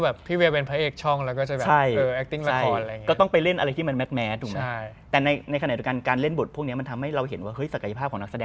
แล้วอย่างหนึ่งคือเหมือนเอานักแสดงที่เล่นแบบนี้